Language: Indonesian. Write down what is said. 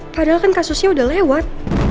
padahal kan kasusnya udah lewat